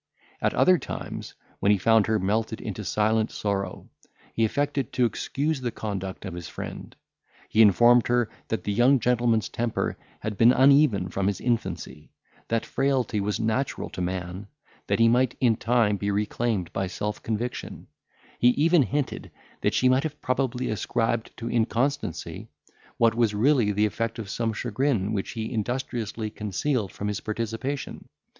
At other times, when he found her melted into silent sorrow, he affected to excuse the conduct of his friend. He informed her, that the young gentleman's temper had been uneven from his infancy; that frailty was natural to man; that he might in time be reclaimed by self conviction; he even hinted, that she might have probably ascribed to inconstancy, what was really the effect of some chagrin which he industriously concealed from his participation.